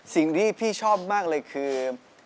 สิ่งที่พี่ชอบมากเลยคือ